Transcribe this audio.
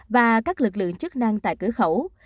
và các lực lượng chức năng tại cửa khẩu